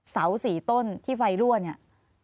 เสา๔ต้นที่ไฟรั่วเนี่ย